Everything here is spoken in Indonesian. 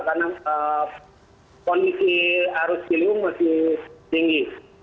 karena kondisi arus kilium masih tinggi